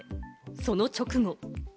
その直後。